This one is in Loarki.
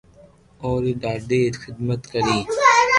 اورو ڌاڌي خدمت ڪري